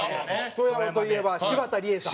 富山といえば柴田理恵さん。